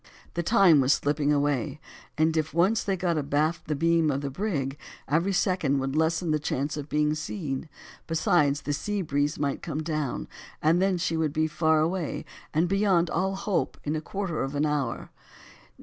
The time was slipping away, and if once they got abaft the beam of the brig, every second would lessen the chance of being seen, besides, the sea breeze might come down, and then she would be far away, and beyond all hope in a quarter of an hour.